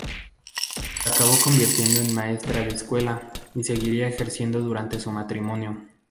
Se acabó convirtiendo en maestra de escuela y seguiría ejerciendo durante su matrimonio.